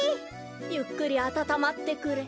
ゆっくりあたたまってくれ。